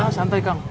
nah santai kang